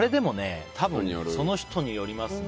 その人によりますね。